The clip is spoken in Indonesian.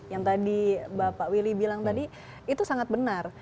yang tadi bapak willy bilang tadi itu sangat benar